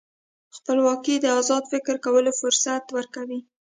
خپلواکي د ازاد فکر کولو فرصت ورکوي.